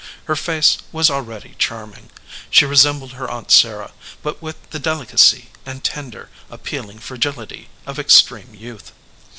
Her face was already charming. She resembled her aunt Sarah, but with the delicacy and tender, appealing fragility of extreme youth.